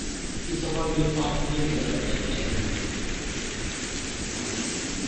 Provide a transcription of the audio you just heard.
اس سفر میں پاک پتن کی دہلیز کیسے آئی؟